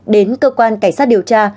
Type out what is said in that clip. đến cơ quan cảnh sát điều tra